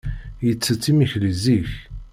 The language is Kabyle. Yettett imekli zik.